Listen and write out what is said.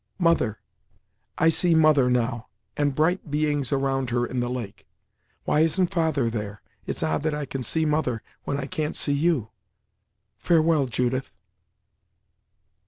"Mother I see Mother, now, and bright beings around her in the lake. Why isn't father there? It's odd that I can see Mother, when I can't see you! Farewell, Judith."